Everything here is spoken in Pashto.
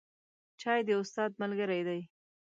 چای د استاد ملګری دی